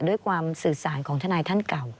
ด้วยความสื่อสารของทนายท่านเก่า